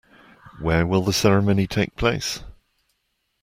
Where will the ceremony take place?